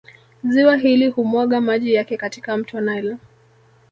Ziwa hili humwaga maji yake katika Mto Nile